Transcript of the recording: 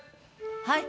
はい。